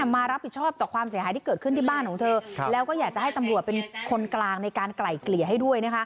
มารับผิดชอบต่อความเสียหายที่เกิดขึ้นที่บ้านของเธอแล้วก็อยากจะให้ตำรวจเป็นคนกลางในการไกล่เกลี่ยให้ด้วย